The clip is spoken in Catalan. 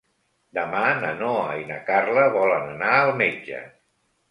Demà na Noa i na Carla volen anar al metge.